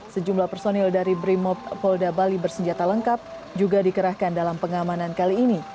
sejumlah personil dari brimob polda bali bersenjata lengkap juga dikerahkan dalam pengamanan kali ini